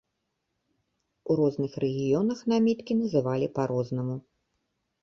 У розных рэгіёнах наміткі называлі па-рознаму.